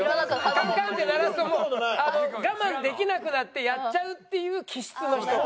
カンカンって鳴らすともう我慢できなくなってやっちゃうっていう気質の人。